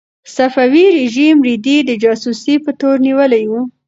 صفوي رژیم رېدی د جاسوسۍ په تور نیولی و.